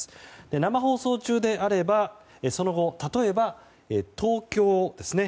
生放送中であればその後、例えば東京ですね。